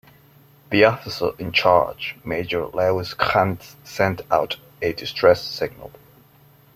The officer in charge, Major Lewis Krantz, sent out a distress signal.